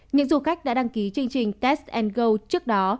những du khách đã đăng ký chương trình test go trước đó